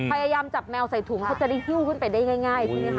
พยายามจับแมวใส่ถุงเพื่อจะได้หิ้วขึ้นไปได้ง่าย